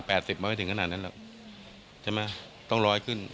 สิบมันไม่ถึงขนาดนั้นหรอกใช่ไหมต้องร้อยขึ้น